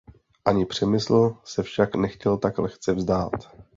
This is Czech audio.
Ani Přemysl se však nechtěl tak lehce vzdát.